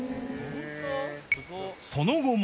その後も。